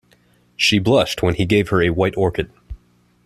She blushed when he gave her a white orchid.